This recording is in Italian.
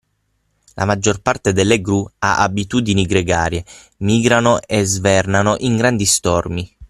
La maggior parte delle gru ha abitudini gregarie, migrano e svernano in grandi stormi.